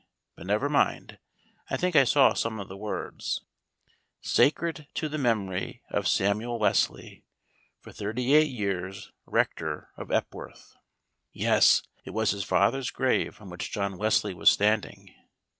But, never mind, I think I saw some of the words: "SACRED TO THE MEMORY OF SAMUEL WESLEY, FOR THIRTY EIGHT YEARS RECTOR OF EPWORTH." Yes, it was his father's grave on which John Wesley was standing.